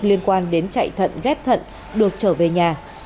liên quan đến chạy thận ghép thận được trở về nhà